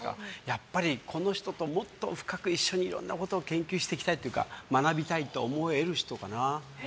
やっぱりこの人ともっと深く一緒にいろんなことを研究していきたいというか学びたいと思える人かな。